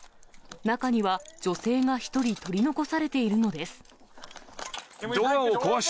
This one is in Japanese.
中には女性が１人取り残されているのです。